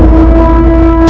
aku akan menang